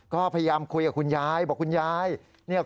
ก็พยายามคุยกับคุณยายบอกคุณยาย